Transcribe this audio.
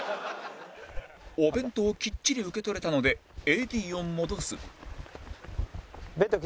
お弁当をきっちり受け取れたので ＡＤ を戻す